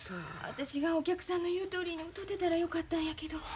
私がお客さんの言うとおりに歌うてたらよかったんやけど。